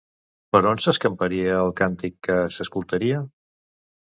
Per on s'escamparia el càntic que s'escoltaria?